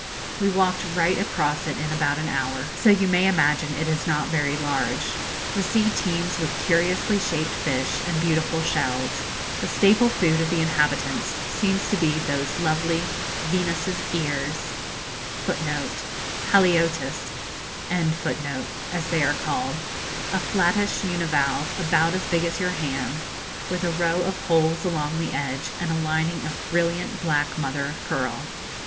We walked right across it in about an hour; so you may imagine it is not very large. The sea teems with curiously shaped fish and beautiful shells. The staple food of the inhabitants seems to be those lovely 'Venus's ears,' as they are called a flattish univalve, about as big as your hand, with a row of holes along the edge, and a lining of brilliant black mother of pearl.